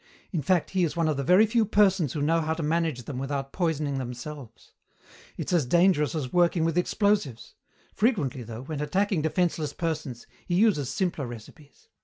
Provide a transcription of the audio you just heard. In fact, he is one of the very few persons who know how to manage them without poisoning themselves. It's as dangerous as working with explosives. Frequently, though, when attacking defenceless persons, he uses simpler recipes.